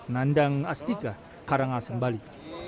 nandang astika karangasembali